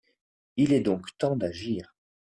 Il est donc temps d’agir